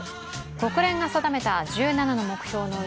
国連が定めた１７の目標のう